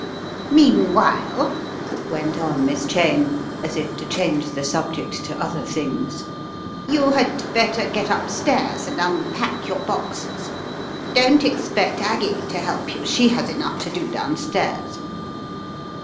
"Meanwhile," went on Miss Cheyne, as if to change the subject to other things, "you had better get upstairs and unpack your boxes. Don't expect Aggie to help you, she has enough to do down stairs."